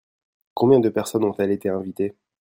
Combien de personnes ont-elles été invitées ?